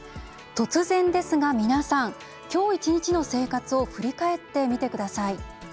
突然ですが、皆さん今日１日の生活を振り返ってみてください。